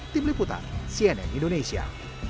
tim liputan cnn indonesia